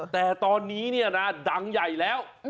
แต่ตอนนี้เนี่ยนะดังใหญ่แล้ว